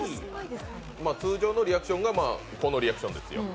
通常のリアクションがまあ、このリアクションですよ。